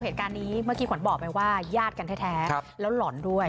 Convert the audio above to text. เหตุการณ์นี้เมื่อกี้ขวัญบอกไปว่าญาติกันแท้แล้วหล่อนด้วย